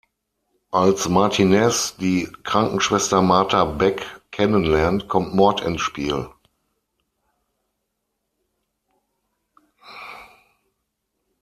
Als Martinez die Krankenschwester Martha Beck kennenlernt, kommt Mord ins Spiel.